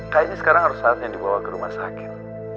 kayaknya sekarang harus saatnya dibawa ke rumah sakit